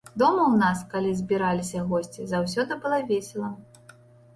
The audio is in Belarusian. Дома ў нас, калі збіраліся госці, заўсёды было весела.